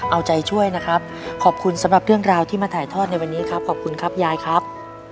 เอาใจช่วยนะครับขอบคุณสำหรับเรื่องราวที่มาถ่ายทอดในวันนี้ครับขอบคุณครับยายครับ